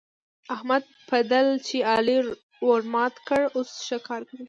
د احمد پدل چې علي ورمات کړ؛ اوس ښه کار کوي.